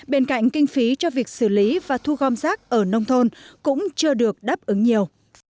bên cạnh kinh phí cho việc xử lý và thu gom rác ở nông thôn cũng chưa được đáp ứng nhiều